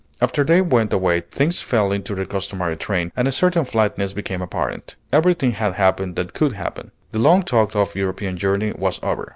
After they went away things fell into their customary train, and a certain flatness became apparent. Everything had happened that could happen. The long talked of European journey was over.